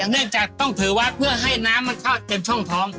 เนื่องจากต้องถือวัดเพื่อให้น้ำมันเข้าเต็มช่องท้อง